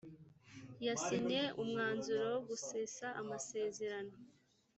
yasinye umwanzuro wo gusesa amasezerano